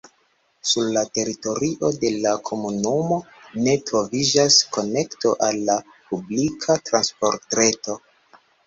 Sur la teritorio de la komunumo ne troviĝas konekto al la publika transportreto.